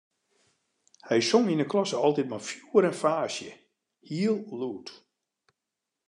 Hy song yn 'e klasse altyd mei fjoer en faasje, hiel lûd.